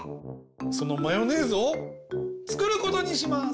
そのマヨネーズをつくることにします！